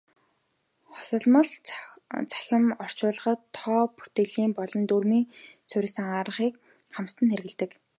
Хосолмол цахим орчуулгад тоо бүртгэлийн болон дүрэм суурилсан аргыг хамтад нь хэрэглэдэг.